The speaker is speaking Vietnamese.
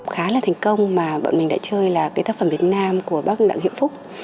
khá là thành công mà bọn mình đã chơi là cái tác phẩm việt nam của bác đặng hiệp phúc